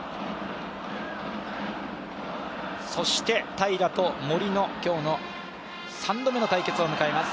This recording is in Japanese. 平良と森の今日の３度目の対決を迎えます。